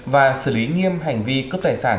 và xử lý nghiêm hành vi cướp tài sản